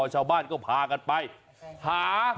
ชาวบ้านก็พากันไปหา